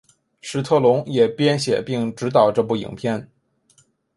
史特龙也编写并执导这部影片。